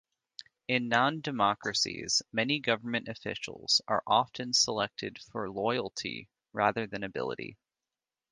In nondemocracies many government officials are often selected for loyalty rather than ability.